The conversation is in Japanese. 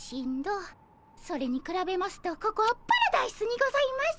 それにくらべますとここはパラダイスにございます。